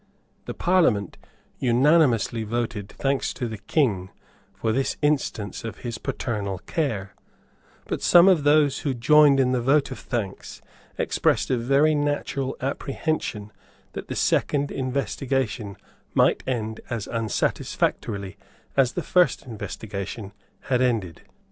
The Parliament unanimously voted thanks to the King for this instance of his paternal care; but some of those who joined in the vote of thanks expressed a very natural apprehension that the second investigation might end as unsatisfactorily as the first investigation had ended.